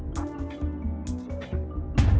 kamu ada masalah ya